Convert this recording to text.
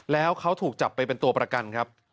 แล้วเขาถูกจับไปเป็นตัวประกันครับ